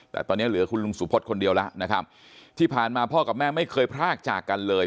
แต่ตอนนี้เหลือคุณลุงสุพธคนเดียวแล้วนะครับที่ผ่านมาพ่อกับแม่ไม่เคยพรากจากกันเลย